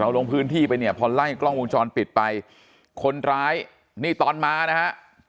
ลงพื้นที่ไปเนี่ยพอไล่กล้องวงจรปิดไปคนร้ายนี่ตอนมานะฮะ